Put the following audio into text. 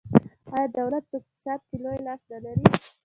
آیا دولت په اقتصاد کې لوی لاس نلري؟